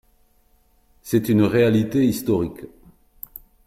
C’est une réalité historique